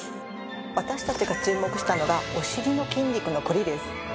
私たちが注目したのがお尻の筋肉のコリです。